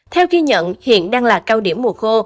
theo ghi nhận hiện đang là cao điểm mùa khô